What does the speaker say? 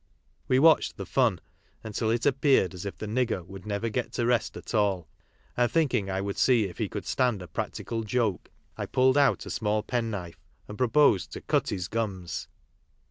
We watched the " fun " until it appeared as if the nigger would never get to rest at all, and thinking I would see if he could stand a practical joke, I pulled out a small penknife and proposed to " cut his gums."